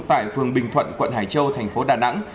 tại phường bình thuận quận hải châu thành phố đà nẵng